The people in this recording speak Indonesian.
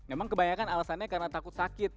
memang kebanyakan alasannya karena takut sakit